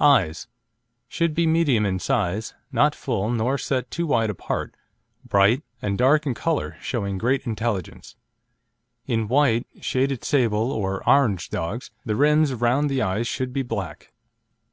EYES Should be medium in size, not full, nor set too wide apart, bright and dark in colour, showing great intelligence; in white, shaded sable, or orange dogs the rims round the eyes should be black.